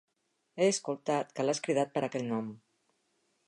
He escoltat que l"has cridat per aquell nom.